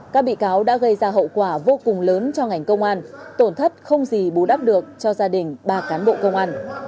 các bị cáo đã gây ra hậu quả vô cùng lớn cho ngành công an tổn thất không gì bù đắp được cho gia đình ba cán bộ công an